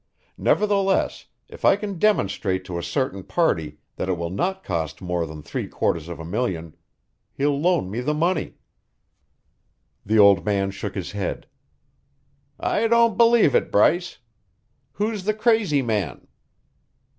Nevertheless, if I can demonstrate to a certain party that it will not cost more than three quarters of a million, he'll loan me the money." The old man shook his head. "I don't believe it, Bryce. Who's the crazy man?"